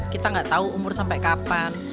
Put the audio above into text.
kita nggak tahu umur sampai kapan